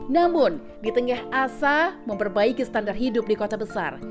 namun di tengah asa memperbaiki standar hidup di kota besar